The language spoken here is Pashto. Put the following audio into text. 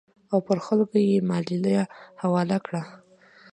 او پر خلکو یې مالیه حواله کړه.